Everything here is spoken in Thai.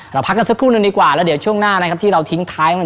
พักกันสักครู่หนึ่งดีกว่าแล้วเดี๋ยวช่วงหน้านะครับที่เราทิ้งท้ายมา